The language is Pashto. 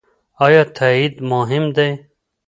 ايا تاييد مهم دی؟